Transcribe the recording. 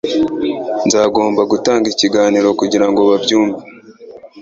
Nzagomba gutanga ikiganiro kugirango babyumve?